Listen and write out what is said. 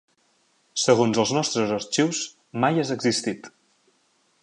Segons els nostres arxius mai has existit.